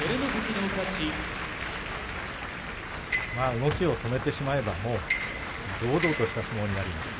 動きを止めてしまえばもう堂々とした相撲になります。